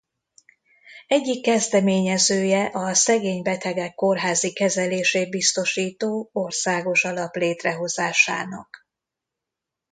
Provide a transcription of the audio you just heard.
Egyik kezdeményezője a szegény betegek kórházi kezelését biztosító országos alap létrehozásának.